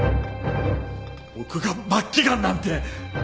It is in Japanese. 僕が末期癌なんて！